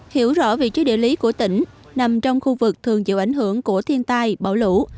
hiểu rõ vị trí địa lý của tỉnh nằm trong khu vực thường chịu ảnh hưởng của thiên tai bão lũ